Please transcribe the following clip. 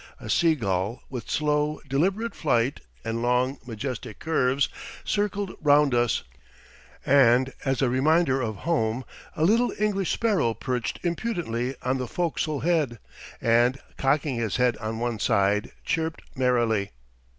A sea gull with slow, deliberate flight and long, majestic curves circled round us, and as a reminder of home a little English sparrow perched impudently on the fo'castle head, and, cocking his head on one side, chirped merrily.